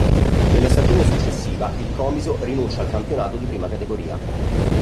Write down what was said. Nella stagione successiva il Comiso rinuncia al campionato di Prima Categoria.